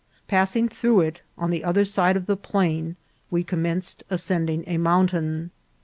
Passing through it, on the other side of the plain we com menced ascending a mountain.